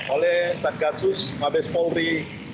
oleh satgasus mabes polri